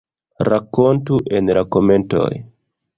Rakontu en la komentoj!